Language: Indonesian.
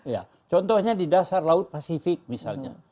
ya contohnya di dasar laut pasifik misalnya